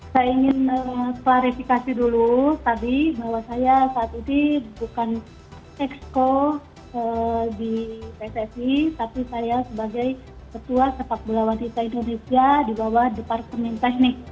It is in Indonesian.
saya ingin klarifikasi dulu tadi bahwa saya saat ini bukan exco di pssi tapi saya sebagai ketua sepak bola wanita indonesia di bawah departemen teknik